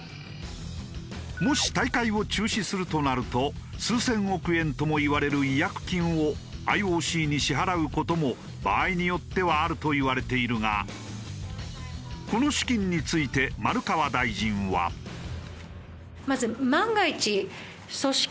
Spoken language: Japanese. もし大会を中止するとなると数千億円ともいわれる違約金をＩＯＣに支払う事も場合によってはあるといわれているがこの資金について丸川大臣は。と牽制。